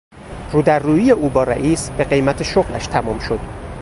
رو در رویی او با رئیس به قیمت شغلش تمام شد.